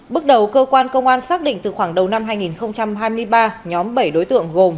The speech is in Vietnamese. bước đầu cơ quan công an xác định từ khoảng đầu năm hai nghìn hai mươi ba nhóm bảy đối tượng gồm